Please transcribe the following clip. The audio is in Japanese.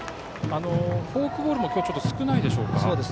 フォークボールも今日はちょっと少ないでしょうか。